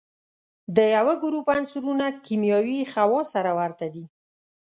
د یوه ګروپ عنصرونه کیمیاوي خواص سره ورته دي.